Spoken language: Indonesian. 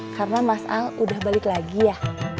karena mas al udah balik lagi ya